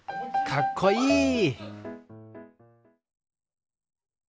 かっこいい！